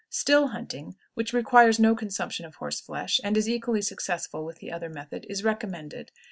Still hunting, which requires no consumption of horse flesh, and is equally successful with the other method, is recommended.